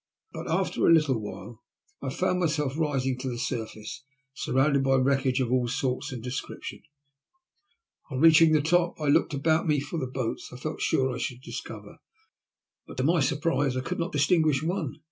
But after a little while I found myself rising to the surface, surrounded by wreckage of all sorts and descriptions. On reaching the top, I looked about me fpr the boats, which I felt sure I should discover ; but, to my surprise, I could not distinguish one.